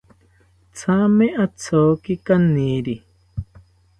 Thame athoki kaniri